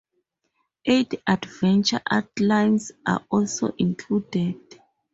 Eight adventure outlines are also included.